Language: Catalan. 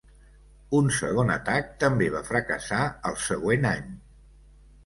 Un segon atac també va fracassar al següent any.